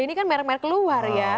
ini merek merek luar ya